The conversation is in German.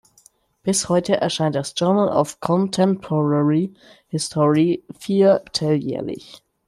Bis heute erscheint das Journal of Contemporary History vierteljährlich.